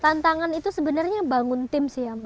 tantangan itu sebenarnya yang bangun tim sih ya mas